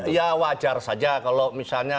ya wajar saja kalau misalnya